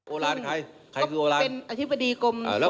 โอลานใครใครคือโอลาน